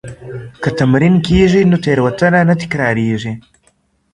که تمرین کېږي نو تېروتنه نه تکرارېږي.